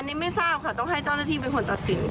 อันนี้ไม่ทราบค่ะต้องให้เจ้าหน้าที่เป็นคนตัดสิน